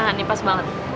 nah ini pas banget